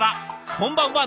こんばんは。